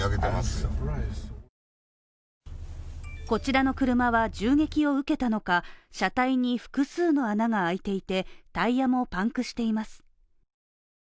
こちらの車は銃撃を受けたのか車体に複数の穴が開いていて、タイヤもパンクしています。